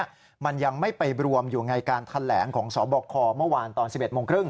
มันยังไม่ไปรวมอยู่ในการแถลงของสบคเมื่อวานตอน๑๑โมงครึ่ง